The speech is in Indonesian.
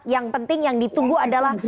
yang penting yang ditunggu adalah